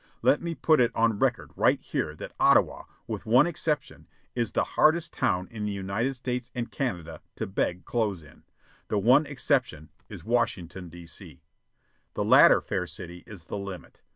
Let me put it on record right here that Ottawa, with one exception, is the hardest town in the United States and Canada to beg clothes in; the one exception is Washington, D.C. The latter fair city is the limit.